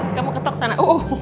tuh kamu ketok sana